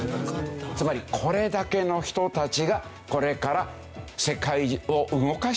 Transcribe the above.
つまりこれだけの人たちがこれから世界を動かしていくという。